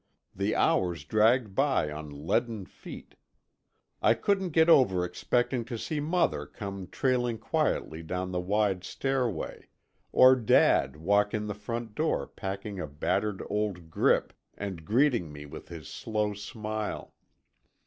The hours dragged by on leaden feet. I couldn't get over expecting to see mother come trailing quietly down the wide stairway, or dad walk in the front door packing a battered old grip and greeting me with his slow smile.